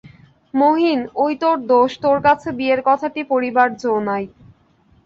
মহিন, ঐ তোর দোষ, তোর কাছে বিয়ের কথাটি পাড়িবার জো নাই।